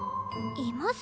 います？